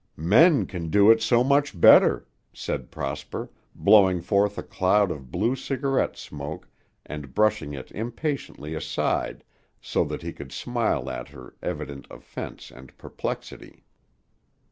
"Men can do it so much better," said Prosper, blowing forth a cloud of blue cigarette smoke and brushing it impatiently aside so that he could smile at her evident offense and perplexity.